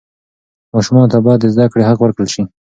ماشومانو ته باید د زده کړې حق ورکړل سي.